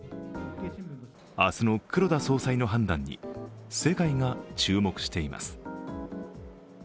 明日の黒田総裁の判断に世界が注目しています。